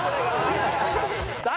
誰？